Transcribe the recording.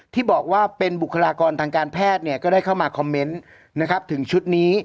ที่บอกว่าเป็นบุคลากรทางการแพทย์ก็ได้เข้ามาคอมเมนต์นะครับถึงชุดนี้